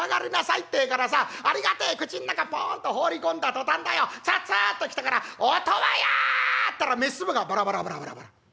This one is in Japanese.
ってえからさありがてえ口ん中ポンと放り込んだ途端だよつっつと来たから『音羽屋！』ったら飯粒がバラバラバラバラバラ。